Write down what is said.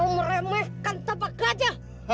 kau meremehkan tabak raja